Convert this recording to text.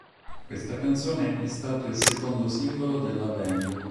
Questa canzone è stato il secondo singolo della band.